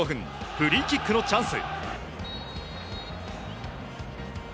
フリーキックのチャンス。